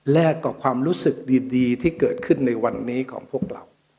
กับความรู้สึกดีที่เกิดขึ้นในวันนี้ของพวกเรา